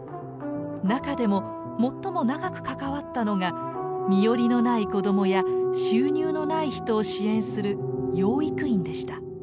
中でも最も長く関わったのが身寄りのない子どもや収入のない人を支援する養育院でした。